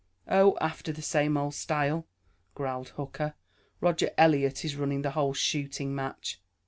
"Oh, after the same old style," growled Hooker. "Roger Eliot is running the whole shooting match."